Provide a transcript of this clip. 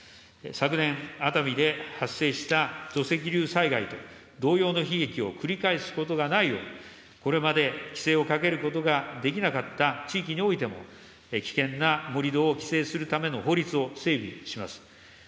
昨年、熱海で発生した土石流災害と同様の悲劇を繰り返すことがないよう、これまで規制をかけることができなかった地域においても、危険な盛土を規制するための法律を整備します。